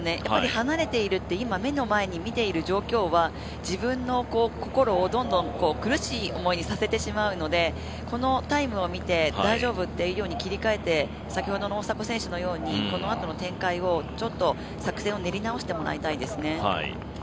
離れているって今、目の前に見ている状況は自分の心をどんどん苦しい思いにさせてしまうのでこのタイムを見て大丈夫っていうふうに切り替えて先ほどの大迫選手がいうようにこのあとの展開を作戦を練り直してもらいたいですね。